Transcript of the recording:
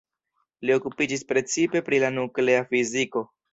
Li okupiĝis precipe pri la nuklea fiziko.